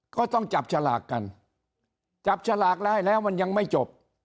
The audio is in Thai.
ก็ต้องจับฉลากกันจับฉลากได้แล้วมันยังไม่จบ